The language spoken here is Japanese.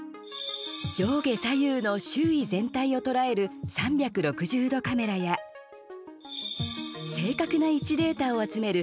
上下左右の周囲全体を捉える３６０度カメラや正確な位置データを集める